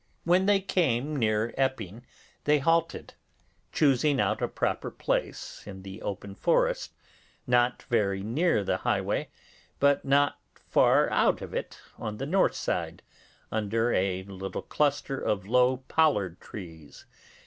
When they came near Epping they halted, choosing out a proper place in the open forest, not very near the highway, but not far out of it on the north side, under a little cluster of low pollard trees.